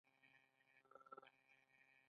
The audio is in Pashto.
الف پانګوال لومړی ډول ځمکه اجاره کوي